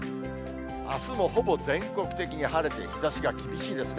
あすもほぼ全国的に晴れて、日ざしが厳しいですね。